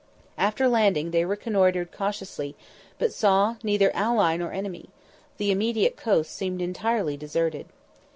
After landing they reconnoitred cautiously, but saw neither ally nor enemy—the immediate coast seemed entirely deserted.